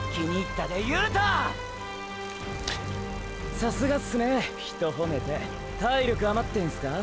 さすがっすね人ホメて体力あまってんすか？